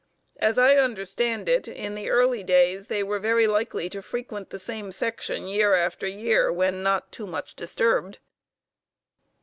As I understand it, in the early days they were very likely to frequent the same section year after year when not too much disturbed.